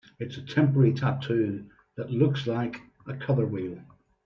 It's a temporary tattoo that looks like... a color wheel?